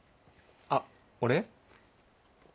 あっ俺？